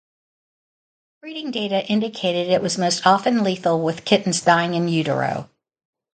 Breeding data indicated it was most often lethal with kittens dying in utero.